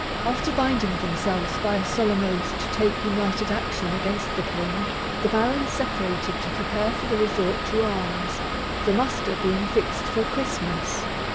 After binding themselves by a solemn oath to take united action against the King, the barons separated to prepare for the resort to arms, the muster being fixed for Christmas.